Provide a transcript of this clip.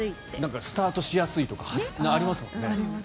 スタートしやすいとかありますもんね。